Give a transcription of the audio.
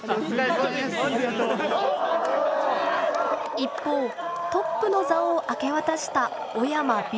一方トップの座を明け渡した小山Ｂ。